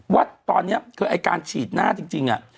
ว่าตอนเนี๊ยะไกลการฉีดหน้าจริงอะ